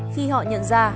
khi họ nhận ra